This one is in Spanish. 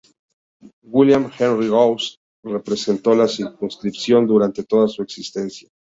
William Henry Goss representó la circunscripción durante toda su existencia.